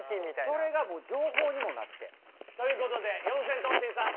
それがもう情報にもなって。ということで四千頭身さん